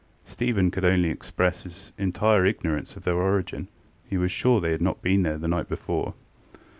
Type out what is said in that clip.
Stephen could only express his entire ignorance of their origin: he was sure they were not there the night before.